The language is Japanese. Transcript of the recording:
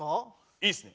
いいっすね。